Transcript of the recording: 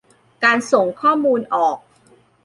การส่งข้อมูลออก